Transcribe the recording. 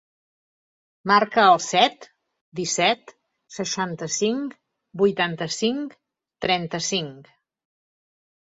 Marca el set, disset, seixanta-cinc, vuitanta-cinc, trenta-cinc.